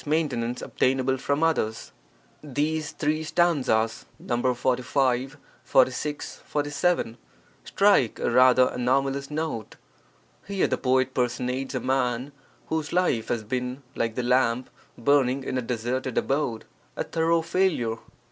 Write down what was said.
maintenance obtainable from others. [These three stanzas (Nos. 45, 46, 47) strike a rather anomalous note. Here the poet personates a man whose life has been, like the lamp burning in a deserted abode, a thorough failure.